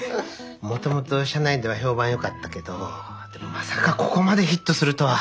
もともと社内では評判よかったけどでもまさかここまでヒットするとは。